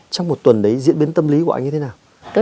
trong một tuần đấy diễn biến tâm lý của anh như thế nào